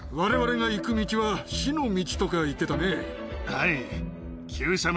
はい。